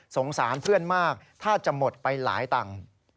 สารเพื่อนมากถ้าจะหมดไปหลายตังค์